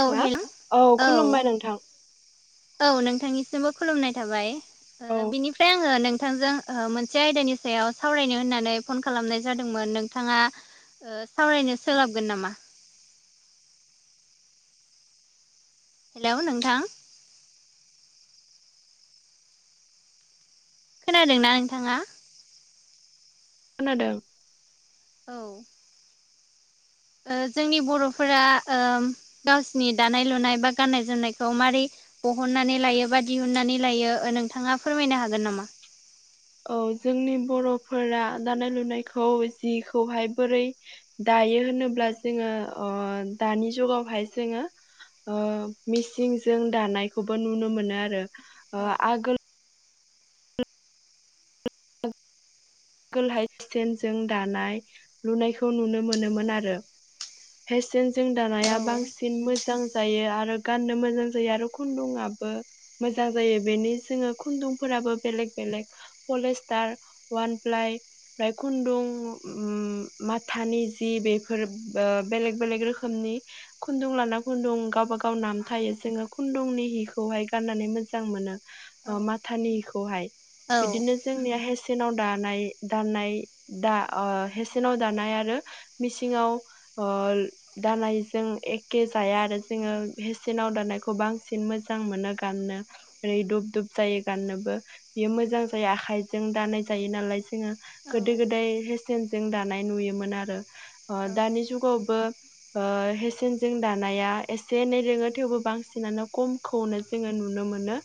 औ हेल' औ। खुलुमबाय नोंथां औ नोंथांनिसिमबो खुलुमनाय थाबाय औ बेनि फ्राय आङो नोंथांजों मोनसे आयदानि सायाव सावरायनो होननानै फन खालामनाय जादोंमोन नोंथाङा सावरायनो सोलाबगोन नामा। हेलौ नोंथां खोनादोंना नोंथाङा। खोनादों औ जोंनि बर'फोरा गावसिनि दानाय लुनाय बा गाननाय जोमनायखौ मारै बहननानै लायो बा दिहुननानै लायो नोंथाङा फोरमायनो हागोन नामा औ जोंनि बर'फोरा दानाय लुनायखौ जिखौहाय बोरै दायो होनोब्ला जोङो दानि जुगावहाय जोङो मिसिंजों दानायखौबो नुनो मोनो आरो औ आगोल कोल हाइ स्टेनजों दानाय लुनायखौ नुनो मोनोमोन आरो फेशन जों औ दानाया बांसिन मोजां जायो आरो गाननो मोजां जायो आरो। खुन्दुंआबो मोजां जायो बेनि जोङो खुन्दुंफोराबो बेलेक बेलेक कलेजथार वान प्लाय ओमफ्राय खुन्दुं माथानि जि बेफोर बेलेग बेलेग रोखोमनि खुन्दुं लाना खुन्दुं गावबा गाव नाम थायो जोङो खुन्दुंनि हिखौहाय गाननानै मोजां मोनो। औ माथानिखौहाय बिदिनो जोंनिया हेसेनाव दा दा हेसेनाव दानाय आरो मिसिङाव अल दानायजों एखे जाया आरो जोङो हेसेनाव दानायखौ बांसिन मोजां मोनो गाननो। ओरै दुब दुब जायो गाननोबो बेयो मोजां जायो आखाइजों दानाय जायो नालाय जोडीं गोदी औ गीदाय हिसानजों दानायख नुनी मोनोमोन आरो द ज वबो हेसेनजों दानाया एसे एनै रोङो थेवबो बांसिनानो खम। खौनो जोङो नुनो मोनो।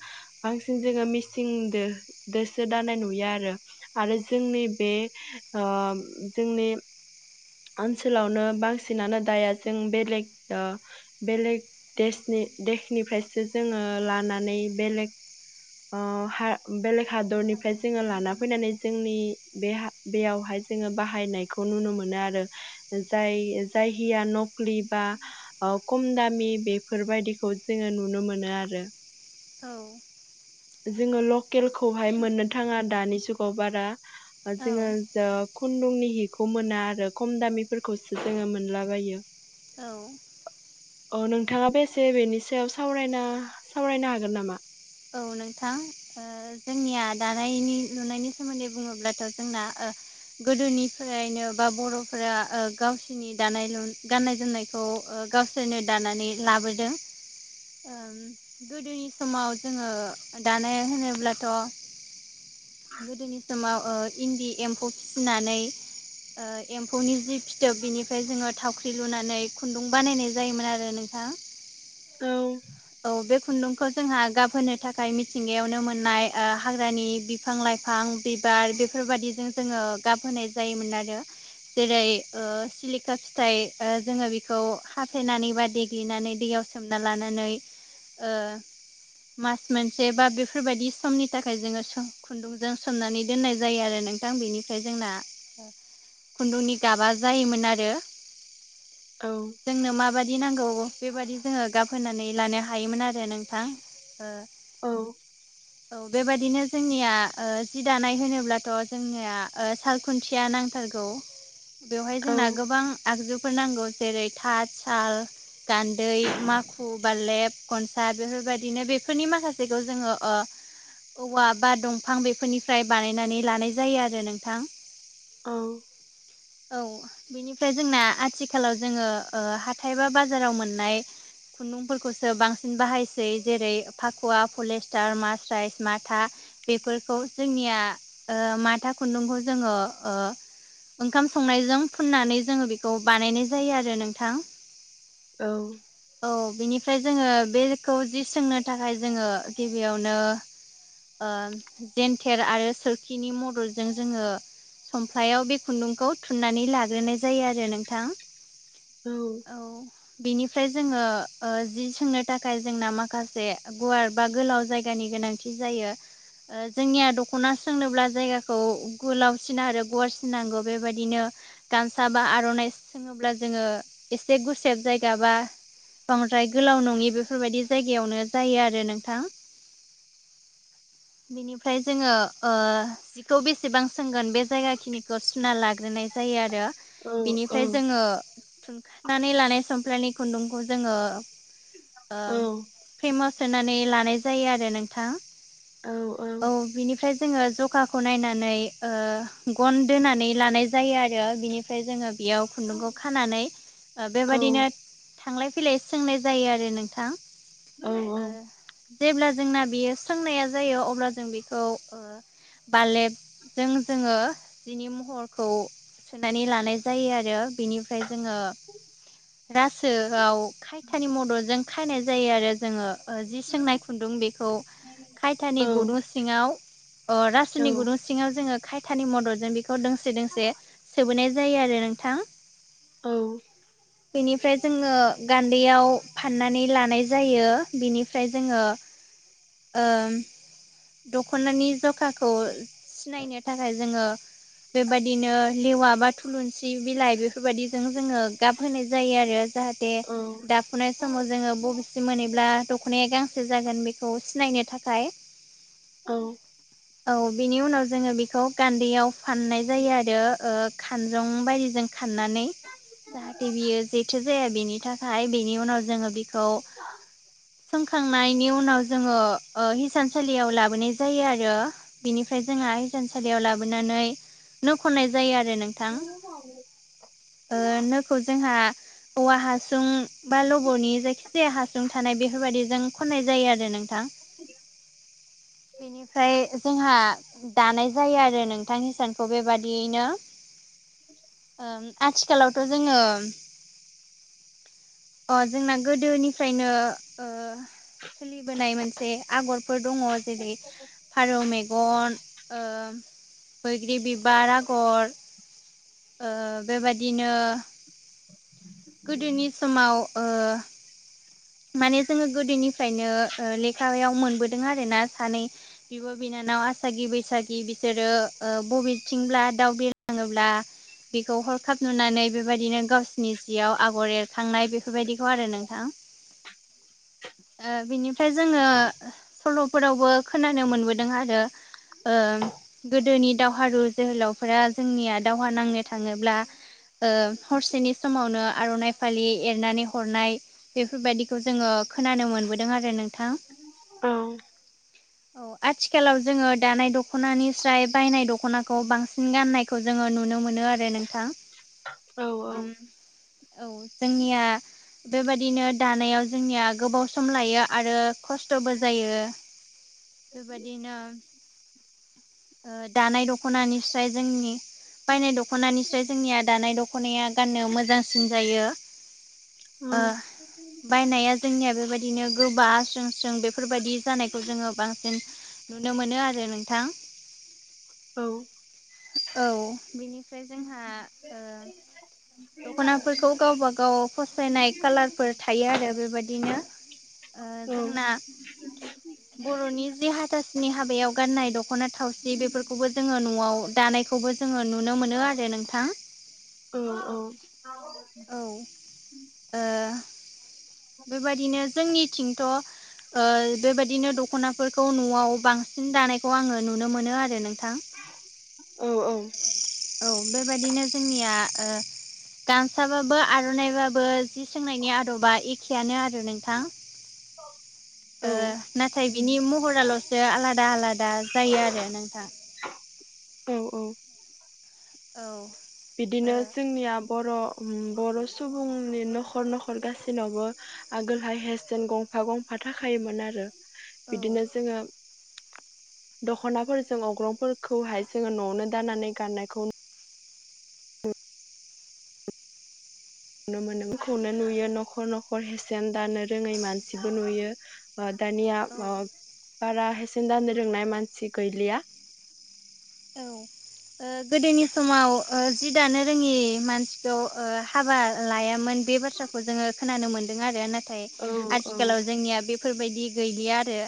बांसिन जोङो मिसिं दो दोसो दानाय नुयो आरो। आरो जोंनि बे ओ जोंनि। ओनसोलावनो बांसिनानो दाया जों बेलेग ओ बेलेग देशनि देशनिफ्रायसो जोङो लानानै बेलेग बेलेग हादरनिफ्राय जोङो लाना फैनानै जोंनि बे बेयावहाय जोङो बाहायनायखौ नुनो मोनो आरो जाय जाय हिया नख्लि बा अ खम दामि बेफोरबायदिखौ जोङो नुनो मोनो आरो। औ। जोङो लकेलखौहाय मोननो थाङा दानि जुगाव बारा। औ जोङो खुन्दुंनि हिखौ मोना आरो। खम दामिफोरखौसो जोङो मोनलाबायो औ अ नोंथाङा बेसे बेनि सायावाव सावरायना सावरायनो हागोन नामा? औ नोंथां! ओ जोंनिया दानायनि लुनायनि सोमोन्दै बुङोब्लाथ' जोंना ओ गोदोनिफ्रायनो बा बर'फोरा ओ गावसिनि दानाय लु गाननाय जोमनाय खौ ओ गावसोरनो दानानै लाबोदों। [inaudible] ओम गोदोनि समाव जोङो दानाय होनोब्लाथ' गोदोनि समाव ओ इन्दि एम्फौ फिनानै ओ एम्फौनि जि फिथोब बिनिफ्राय जोङो थावख्रि लुनानै खुन्दुं बानायनाय जायोमोन आरो नोंथां। औ- औ बे खुन्दुंखौ जोंहा गाबहोनो थाखाय मिथिंगायावनो मोननाय ओ हाग्रानि बि फां लाइफां बिबार बेफोरबायदिजों जोङो गाबहोनाय जायोमोन आरो जेरै ओ सिलिखा फिथाइ ओ जोङो बेखौ हाथायनानै बा देग्लिनानै दैयाव- सोमना लानानै ओ मास मोनसे बा बेफोरबायदि समनि थाखाय जोङो सो खुन्दुंजों सोमनानै दोननाय जायो आरो नों थां बेनिफ्राय जोंना खुन्दुंनि गाबा जायोमोन आरो औ जोंनो माबादि नांगौ बेबादि जोङो गाबहोनानै लानो हायो। हायोमोन आरो नोंथां ओ औ- औ बेबादिनो जोंनिया ओ जि दानाय होनोब्लाथ' जोंनिया सालखुन्थिया नांथारगौ [inaudible] बेवहाय औ जोंना गोबां आगजुफोर नांगौ जेरै- थाद, साल, गान्दै, माखु, बारलेब, खनसाद बेफोरबायदिनो बेफोरनि माखासेखौ जोङो ओ औवा बा दंफां बेफोरनिफ्राय बानायनानै लानाय जायो आरो नोंथां औ औ- बेनिफ्राय जोंना आथिखालाव जोङो ओ हाथाय बा बाजाराव मोननाय खुन्दुंफोरखौ सो बांसिन बाहायसै जेरै फाखुवा, पलेस्टार, मास्राइस, माथा बेफोरखौ जोंनिया ओ माथा खुन्दुंखौ जोङो ओ ओंखाम संनायजों फुननानै जोङो बेखौ बानायनाय जायो आरो नोंथां। औ- औ बिनिफ्राय जोङो बेखौ जि सोंनो थाखाय जोङो गिबियावनो ओ जेेनथेर आरो सोरखिनि मददजों जोङो सफ्लायाव बे खुन्दुंखौ थुननानै लाग्रोनाय जायो आरो नोंथां औ औ बेनिफ्राय जोङो ओ जि सोंनो थाखाय जोंना माखासे गुवार बा गोलाव जायगानि गोनांथि जायो। ओ जोंनिया दख'ना सोंनोब्ला जायगाखौ गोलावसिन आरो गुवारसिन नांगौ बेबायदिनो गामसा बा आर'नाइ सोङोब्ला जोङो एसे गुसेब जायगा बा बांद्राय गोलाव नङि बेफोरबायाददि जायगायावनो जायो आरो नोंथां। बिनिफ्राय जोङो ओ जिखौ बेसेबां सोंगोन बे जायगा खिनिखौ सुना लाग्रोनाय जायो आरो औ औ बेनिफ्राय जोङो थुखानानै लानाय समफ्लानि खुन्दुंखौ जोङो ओ औ फ्रेमाव सोनानै लानाय जायो आरो नोंथां औ बिनिफ्राय जोङो जखाखौ नायनानै ओ गन दोनानै लानाय जायो आरो बिनिफ्राय जोङो इयाव खुन्दुंखौ खानानै ओ बेबादिनो थांलाय फैलाय सोंनाय जायो आरो नोंथां ओ जेब्ला जोंना बियो सोंनाया जायो अब्ला जों बेखौ ओ बालेबजों जोङो जिनि महरखौ सोनानै लानाय जायो आरो बेनिफ्राय जोङो सोआव खायथानि मददजों खायनाय जायो आरो जोङो ओ जि सोंनाय खुन्दुं बिखौ खायथानि गुदुं सिङाव ओ रासोनि गुदुं सिङाव जोङो खायथानि मददजों बेखौ दोंसे दोंसे सोबोनाय जायो आरो नोंथां। औ फ्राय जोङो गान्दैयाव फाननानै लानाय जायो बिनिफ्राय जोङो ओम दखनानि जो ख्राखौ सिनायनो थाखाय जोङो बेबादिनो लेवा बा थुलुनसि बिलाइ बेफोरबायदिजोंनो जोङो गाब होनाय जायो आरो जाहाथे दाफुनाय समाव जोङो बबेसिम मोनोब्ला दखनाया गांसे जागोन बेखौ सिनायनो थाखाय। औ औ बिनि उनाव जोङो बेखौ गान्दैयाव फाननाय जायो आरो ओ खानजं बायजों खाननानै जाहाथे बियो जेथो जाया बेनि थाखायनि उनाव जोङो बिखौ सों खांनायनि उनाव जोङो ओ हिसानसालियाव लाबोनाय जायो आरो। बिनिफ्राय जोंहा हिसानसालियाव लाबोनानै नो खननाय जायो आरो नों थां ओ नोखौ जोंहा औवा हासुं बा लबनि जायखि जाया हासुं थानाय बेफोरबादि जों खनाय जायो आरो नोंथां बेनिफ्राय जोंहा दानाय जायो आरो नोंथां हिसानखौ बेबादियैनो ओं आथिखालावथ जोङो अ जोंना गोदोनिफ्रायनो ओ सोलिबोनाय मोनसे आगरफोर दङ जेरै फारौ मेगन ओ बैग्रि बिबार आगर ओ बेबादिनो गोदोनि समाव ओ माने जोङो गोदोनिफ्रायनो ओ लेखायाव मोनबोदों आरो ना सानै बिब बिनानाव आसागि बैसागि बिसोरो ओ बबेथिंब्ला दाउ बिरलाङोब्ला बेखौ हरखाब नुनानै बेबायदिनो गावसिनि जियाव आगर एरखांनाय बेफोरबायदिखौ आरो नोंथां। ओ बिनिफ्राय जोङो सलफोरावबो खोनानो मोनबोदों आरो ओ गोदोनि दावहारु जोहोलावफोरा जोंनिया दावहा नांनो थाङोब्ला ओ हरसेनि समावनो आरनाइ फालि एरनानै हरनाय बेफोरबायदि खौ जोङो खोनानो मोनबोदों आरो नोंथां। औ औ आथिखालाव जोङो दानाय दखनानिस्राय बायनाय दखनाखौ बांसिन गाननाय खौ जोङो नुनो मोनो आरो नोंथां। ओम औ जोंनिया बेबादिनो दानायाव जोंनिया गोबाव सम लायो आरो खस्थबो जायो। बेबादिनो ओ दानाय दखनानिस्राय जोंनि बायनाय दखनानिस्राय जोंनिया दानाय दखनाया गाननो मोजांसिन जायो। ओ बायनाया जोंनिया बेबादिनो गोबा स्रों स्रों बेफोरबादि जानायखौ जोङो बांसिन नुनो मोनो आरो नोंथां। औ औ बिनिफ्राय जोंहा ओ [unintelligible] दख'नाफोरखौ गावबा गाव फसायनाय खालारफोर थायो आरो बेबायदिनो। ओ जोंना बर'नि जि हाथासुनि हाबायाव गाननाय दख'ना थाव सि बेफोरखौबो जोङो न'आव दानायखौबो जोङो नुनो मोनो आरो नोंथां। औ औ [unintelligible] औ बेबादिनो जोंनिथिंथ' ओ बेबायदिनो दख'नाफोरखौ न'आव बांसिन दानायखौ आङो नुनो मोनो आरो नोंथां। औ औ औ बेबायाददिनो जोंनिया ओ फिसाबाबो आर'नाइबाबो जि सोंनायनि आदबा एखेयानो आरो नोंथां। ओ नाथाय बिनि महराल'सो आलादा आलादा जायो आरो नोंथां। औ औ औ बिदिनो औ जोंनिया बर' बर' सुबुंनि न'खर न'खर गाससिनावबो आगोलहाय हेसेन गंफा गंफा थाखायोमोन आरो बिदिनो जोङो दख'नाफोरजों अग्रंफोरखौहाय जोङो न'आवनो दानानै गाननायखौ नुनो मोनोमोनखौनो नुयो न'खर न'खर हेसेन दानो रोङै मानसिबो नुयो। बा दानिया औ बारा हेसेन दानो लोंनाय मानसि गैलिया। औ ओ गोदोनि समाव ओ जि दानो रोङि मानसिखौ हाबा लायामोन बे बाथ्राखौ जोङो खोनानो मोन्दों आरो नाथाय औ औ आथिखालाव जोंनिया बेफोरबायदि गैलिया आरो।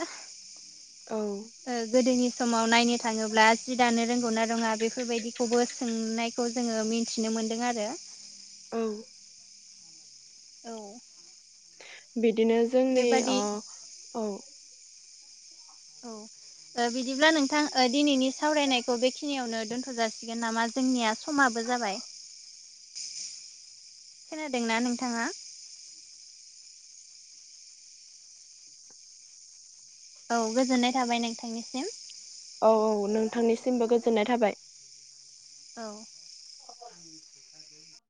औ ओ गोदोनि समाव नायनो थाङोब्ला जि दानो रोंगौनाा रोङा बेफोरबायदिखौबो सोंनाय खौ जोङो मिथिनो मोन्दों आरो। औ औ बिदिनो जोंनि बेबादि अ औ औ बिदिब्ला नोंथां दिनैनि सावरायनायखौ बेखिनियावनो दोन्थ' जा सिगोन नामा जोंनिया समाबो जाबाय? खोनादोंना नोंथाङा? औ गोजोननाय थाबाय नोंथांनिसिम। औ औ नोंथांनिसिमबो गोजोननाय थाबाय। औ